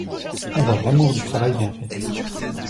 avoir l'amour du travail bien fait